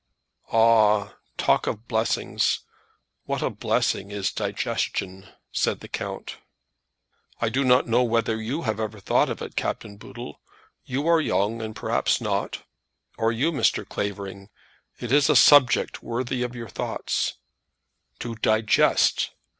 "Ah; talk of blessings! What a blessing is digestion!" said the count. "I do not know whether you have ever thought of it, Captain Boodle? You are young, and perhaps not. Or you, Mr. Clavering? It is a subject worthy of your thoughts. To digest!